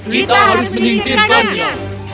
kita harus menyingkirkannya